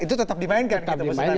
itu tetap dimainkan